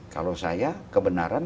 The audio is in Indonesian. kalau saya kebenaran